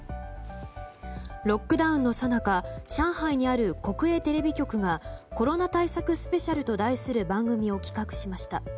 ロックダウンのさなか上海にある国営テレビ局が「コロナ対策スペシャル」と題する番組を企画しました。